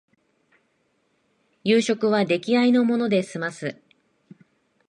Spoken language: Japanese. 夕食は出来合いのもので済ます